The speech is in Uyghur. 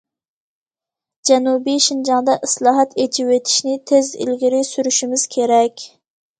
جەنۇبىي شىنجاڭدا ئىسلاھات، ئېچىۋېتىشنى تېز ئىلگىرى سۈرۈشىمىز كېرەك.